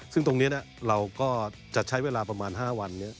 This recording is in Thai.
ซึ่งตรงนี้เราก็จะใช้เวลาประมาณ๕วันนี้